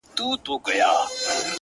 د تورو شپو سپين څراغونه مړه ســول’